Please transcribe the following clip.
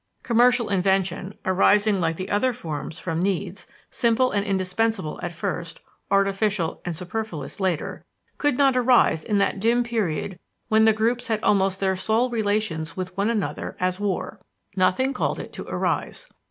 Commercial invention, arising like the other forms from needs, simple and indispensable at first, artificial and superfluous later, could not arise in that dim period when the groups had almost their sole relations with one another as war. Nothing called it to arise.